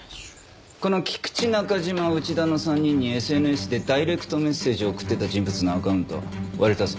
この菊池中島内田の３人にＳＮＳでダイレクトメッセージを送ってた人物のアカウント割れたぞ。